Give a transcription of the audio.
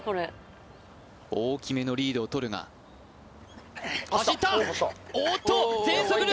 大きめのリードをとるが走ったおっと全速力